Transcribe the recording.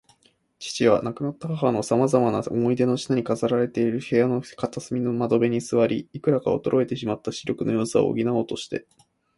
父は、亡くなった母のさまざまな思い出の品に飾られている部屋の片隅の窓辺に坐り、いくらか衰えてしまった視力の弱さを補おうとして